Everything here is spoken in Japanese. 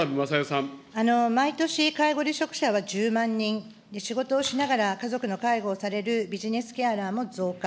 毎年、介護離職者は１０万人、仕事をしながら家族の介護をされるビジネスケアラーも増加。